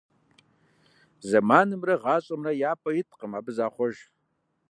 Зэманымрэ гъащӀэмрэ я пӀэ иткъым, абы захъуэж.